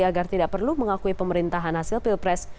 agar tidak perlu mengakui pemerintahan hasil pilpres